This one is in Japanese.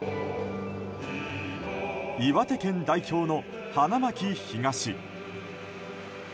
岩手県代表の花巻東。